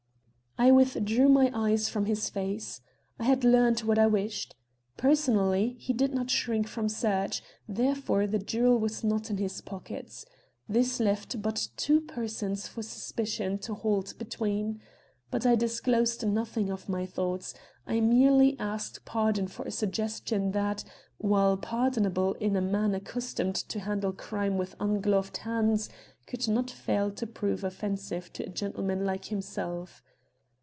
I withdrew my eyes from his face. I had learned what I wished. Personally he did not shrink from search, therefore the jewel was not in his pockets. This left but two persons for suspicion to halt between. But I disclosed nothing of my thoughts; I merely asked pardon for a suggestion that, while pardonable in a man accustomed to handle crime with ungloved hands, could not fail to prove offensive to a gentleman like himself.